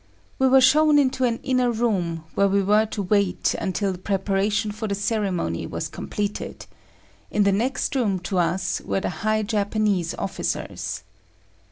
We were shown into an inner room, where we were to wait until the preparation for the ceremony was completed: in the next room to us were the high Japanese officers.